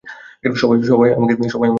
সবাই আমাকে দেখে হাসছিল।